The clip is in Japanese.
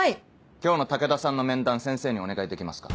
今日の武田さんの面談先生にお願いできますか？